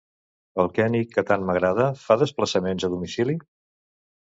El König que tant m'agrada fa desplaçaments a domicili?